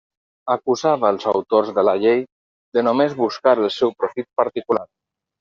Acusava els autors de la llei de només buscar el seu profit particular.